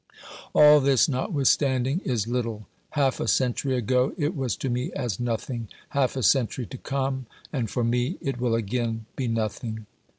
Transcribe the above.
All this notwithstanding is little ; half a century ago it was to me as nothing ; half a century to come, and for me it will again be nothing.